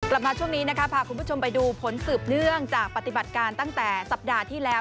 กลับมาช่วงนี้นะคะพาคุณผู้ชมไปดูผลสืบเนื่องจากปฏิบัติการตั้งแต่สัปดาห์ที่แล้ว